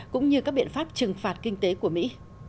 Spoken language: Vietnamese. cũng như các biện pháp trừng phạt kinh tế của mỹ